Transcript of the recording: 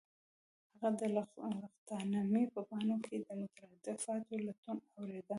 هغه د لغتنامې په پاڼو کې د مترادفاتو لټون اوریده